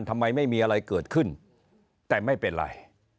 ทำไมไม่มีอะไรเกิดขึ้นแต่ไม่เป็นไร